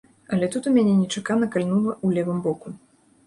Але тут у мяне нечакана кальнула ў левым боку.